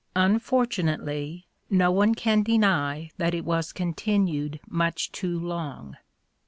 Unfortunately no one can deny that it was continued much too long.